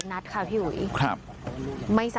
ผมยังอยากรู้ว่าว่ามันไล่ยิงคนทำไมวะ